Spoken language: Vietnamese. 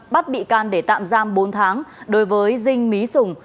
bắt bị can để tạm giam bốn tháng đối với dinh mỹ sùng